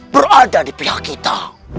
berada di pihak kita